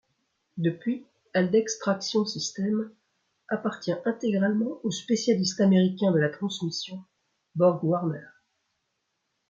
Depuis Haldex Traction Systems appartient intégralement au spécialiste américain de la transmission BorgWarner.